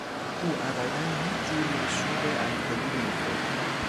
او ابدا هیچ جور مشروب الکلی نمیخورد.